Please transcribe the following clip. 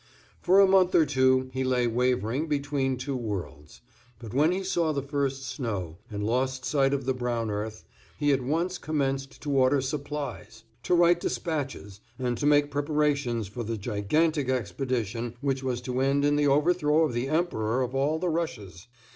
For a month or two he lay wavering between two worlds; but when he saw the first snow, and lost sight of the brown earth, he at once commenced to order supplies, to write despatches, and to make preparations for the gigantic expedition which was to end in the overthrow of the Emperor of all the Russias.